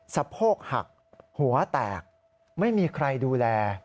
สะโพกหักหัวแตกไม่มีใครดูแล